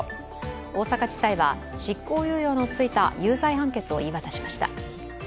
大阪地裁は、執行猶予のついた有罪判決を言い渡しました。